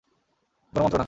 কোনো মন্ত্র না।